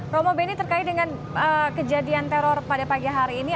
romo beni terkait dengan kejadian teror pada pagi hari ini